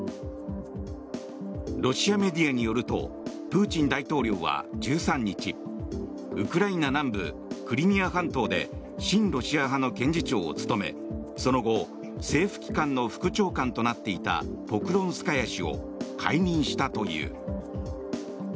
ロシアメディアによるとプーチン大統領は１３日ウクライナ南部クリミア半島で親ロシア派の検事長を務めその後政府機関の副長官となっていたポクロンスカヤ氏を解任したという。